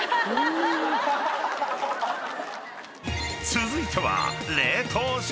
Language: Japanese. ［続いては］